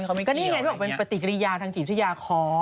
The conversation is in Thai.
ก็นี่ไงเป็นปฏิกิริยาทางจีบทุยาคล้อง